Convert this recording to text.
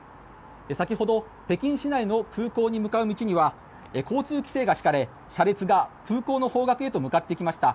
先ほど、北京市内の空港に向かう道には交通規制が敷かれ車列が空港の方角へと向かってきました。